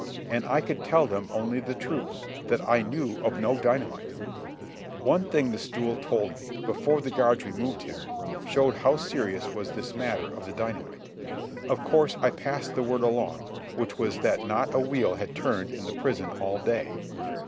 And I could tell them only the truth, that I knew of no dynamite. One thing the stool told me, before the guards removed him, showed how serious was this matter of the dynamite. Of course, I passed the word along, which was that not a wheel had turned in the prison all day.